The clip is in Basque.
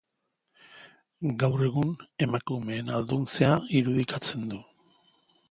Gaur egun, emakumeen ahalduntzea irudikatzen du.